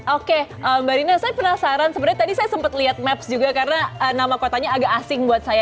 oke mbak rina saya penasaran sebenarnya tadi saya sempat lihat maps juga karena nama kotanya agak asing buat saya